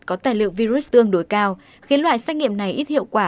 có tài liệu virus tương đối cao khiến loại xét nghiệm này ít hiệu quả